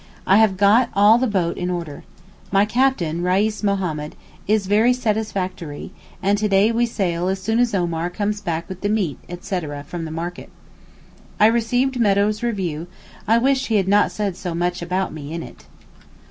I have got all the boat in order. My captain, Reis Mohammed, is very satisfactory, and to day we sail as soon as Omar comes back with the meat, etc. from market. I received Meadow's review; I wish he had not said so much about me in it.